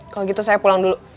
kalau gitu saya pulang dulu